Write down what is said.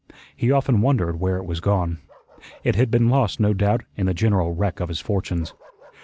He often wondered where it was gone. It had been lost, no doubt, in the general wreck of his fortunes.